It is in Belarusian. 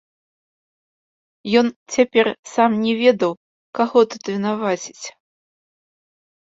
Ён цяпер сам не ведаў, каго тут вінаваціць.